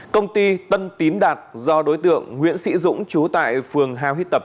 công ty tân tín đạt do đối tượng nguyễn sĩ dũng chú tại phường hào hứ tập